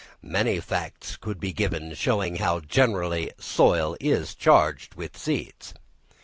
Many facts could be given showing how generally soil is charged with seeds.